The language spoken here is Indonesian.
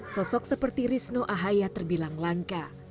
sosok seperti risno ahaya terbilang langka